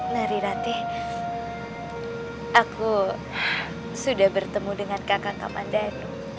ngeri rate aku sudah bertemu dengan kakang kakang mandano